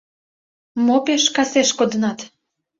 Мо пеш касеш кодынат?